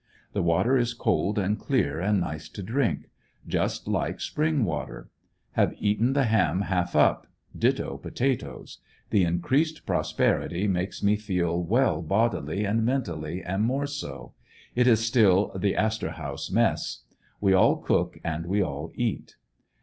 The water is cold and clear and nice to drink; just like spring water. Have eaten the ham half up ; ditto potatoes. The increased prosperity makes me feel well bodily, and mentally am more so. It is still the "Astor House Mess. " We all cook, and we all eat.